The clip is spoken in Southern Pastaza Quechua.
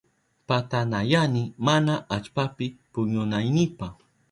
Patanayani mana allpapi puñunaynipa.